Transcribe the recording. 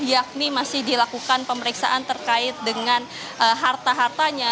yakni masih dilakukan pemeriksaan terkait dengan harta hartanya